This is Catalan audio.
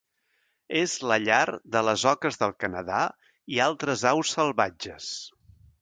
És la llar de les oques del Canadà i altres aus salvatges.